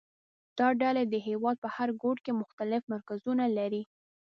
دا ډلې د هېواد په هر ګوټ کې مختلف مرکزونه لري